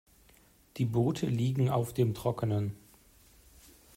Die Boote liegen auf dem Trockenen.